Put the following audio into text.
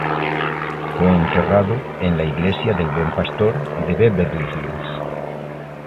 Fue enterrado en la Iglesia del Buen Pastor de Beverly Hills.